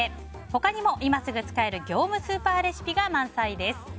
他にも、今すぐ使える業務スーパーレシピが満載です。